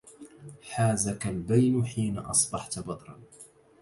حازك البين حين أصبحت بدرا